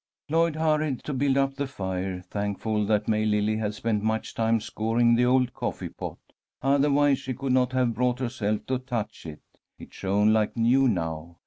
Lloyd hurried to build up the fire, thankful that May Lily had spent much time scouring the old coffee pot. Otherwise she could not have brought herself to touch it. It shone like new now.